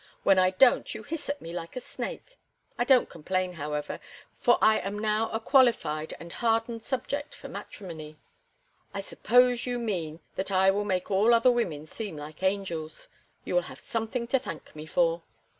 When I don't, you hiss at me like a snake. I don't complain, however, for I am now a qualified and hardened subject for matrimony." "I suppose you mean that I will make all other women seem like angels. You will have something to thank me for."